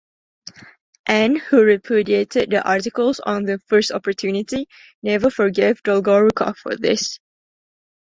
Anne, who repudiated the "articles" on the first opportunity, never forgave Dolgorukov for this.